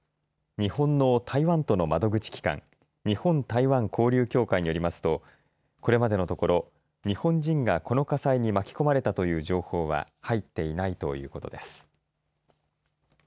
日本の台湾との窓口機関日本台湾交流協会によりますとこれまでのところ、日本人がこの火災に巻き込まれたという情報は入っていないということです。